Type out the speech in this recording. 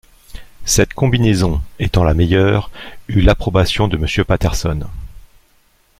Cette combinaison, étant la meilleure, eut l’approbation de Monsieur Patterson.